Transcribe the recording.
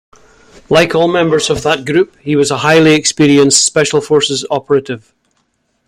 Like all members of that group, he was a highly experienced Special Forces operative.